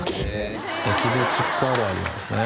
エキゾチックあるあるなんですね